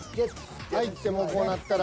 入ってもうこうなったら。